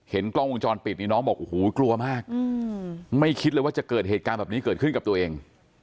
กล้องวงจรปิดนี่น้องบอกโอ้โหกลัวมากไม่คิดเลยว่าจะเกิดเหตุการณ์แบบนี้เกิดขึ้นกับตัวเอง